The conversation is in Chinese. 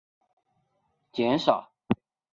这种类型的社会人口趋于老化和减少。